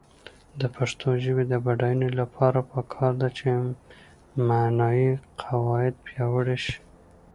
د پښتو ژبې د بډاینې لپاره پکار ده چې معنايي قواعد پیاوړې شي.